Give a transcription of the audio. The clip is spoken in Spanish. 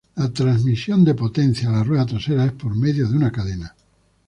La transmisión de potencia a la rueda trasera es por medio de una cadena.